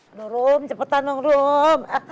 aduh rom cepetan dong rom